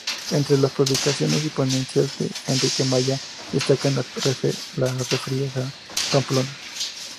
Entre las publicaciones y ponencias de Enrique Maya, destacan las referidas a Pamplona.